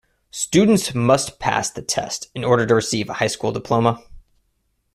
Students must pass the test in order to receive a high school diploma.